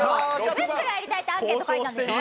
ムックがやりたいってアンケート書いたんでしょう。